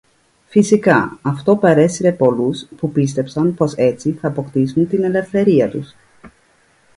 Φυσικά, αυτό παρέσυρε πολλούς, που πίστεψαν πως έτσι θ' αποκτήσουν την ελευθερία τους